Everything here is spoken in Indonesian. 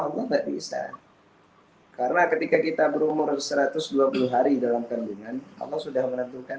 allah nggak bisa karena ketika kita berumur satu ratus dua puluh hari dalam kandungan allah sudah menentukan